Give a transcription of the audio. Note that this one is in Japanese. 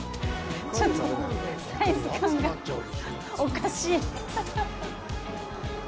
ちょっとサイズ感がおかしい。